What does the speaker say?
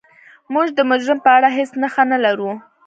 موږ د مجرم په اړه هیڅ نښه نلرو.